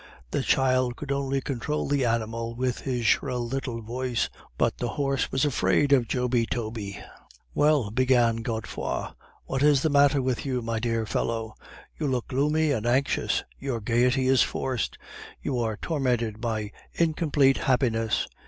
The child could only control the animal with his shrill little voice, but the horse was afraid of Joby Toby. "'Well,' began Godefroid, 'what is the matter with you, my dear fellow? You look gloomy and anxious; your gaiety is forced. You are tormented by incomplete happiness.